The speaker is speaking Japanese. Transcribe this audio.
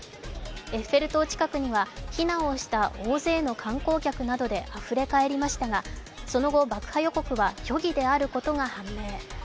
エッフェル塔近くには避難をした大勢の観光客などであふれかえりましたが、その後爆破予告は虚偽であることが判明。